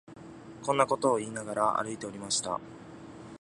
こんなことを言いながら、歩いておりました